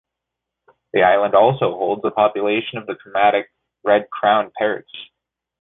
The island also holds a population of the Kermadec red-crowned parakeet.